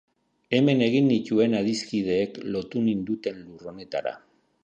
Hemen egin nituen adiskideek lotu ninduten lur honetara.